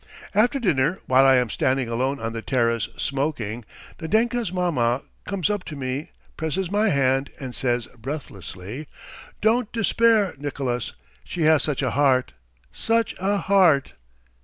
After dinner, while I am standing alone on the terrace, smoking, Nadenka's mamma comes up to me, presses my hand, and says breathlessly: "Don't despair, Nicolas! She has such a heart, ... such a heart!